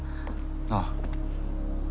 ああ。